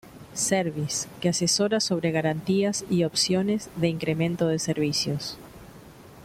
Services, que asesora sobre garantías y opciones de incremento de servicios.